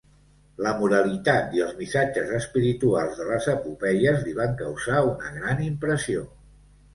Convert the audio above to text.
La moralitat i els missatges espirituals de les epopeies li van causar una gran impressió.